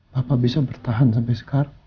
bapak bisa bertahan sampai sekarang